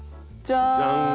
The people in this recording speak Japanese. じゃん。